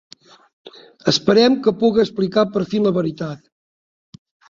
Esperem que puga explicar per fi la veritat.